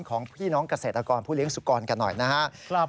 ของพี่น้องเกษตรกรผู้เลี้ยสุกรกันหน่อยนะครับ